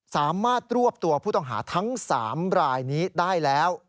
สามารถรวบตัวผู้ต้องหาทั้ง๓รายนี้ได้แล้ว